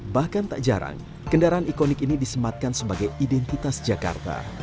bahkan tak jarang kendaraan ikonik ini disematkan sebagai identitas jakarta